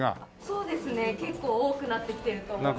そうですね結構多くなってきてると思います。